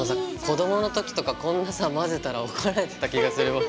子供の時とかこんなさ混ぜたら怒られてた気がする僕。